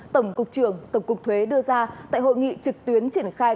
tổng cục trưởng tổng cục thuế đưa ra tại hội nghị trực tuyến triển khai